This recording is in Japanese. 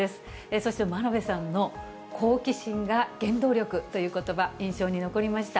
そして真鍋さんの好奇心が原動力ということば、印象に残りました。